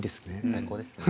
最高ですね。